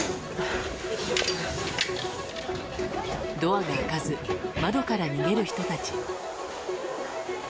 ドアが開かず窓から逃げる人たち。